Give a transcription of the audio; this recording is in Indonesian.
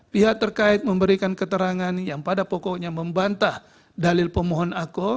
pihak terkait memberikan keterangan yang pada pokoknya membantah dalil pemohon akul